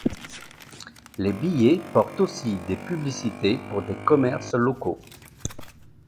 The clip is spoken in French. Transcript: Les billets portent aussi des publicités pour des commerces locaux.